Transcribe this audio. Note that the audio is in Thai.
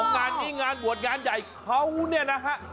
งานนี้งานบวชงานใหญ่เขาเนี่ยนะฮะ